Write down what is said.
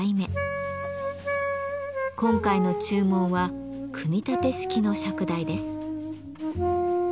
今回の注文は組み立て式の釈台です。